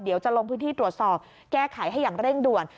เดี๋ยวจะลงพื้นที่ตรวจสอบแก้ไขให้อย่างเร่งด่วน